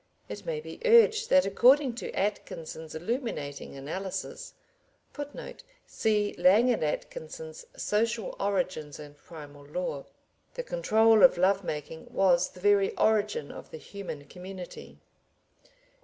It may be urged that according to Atkinson's illuminating analysis [Footnote: See Lang and Atkinson's Social Origins and Primal Law.] the control of love making was the very origin of the human community.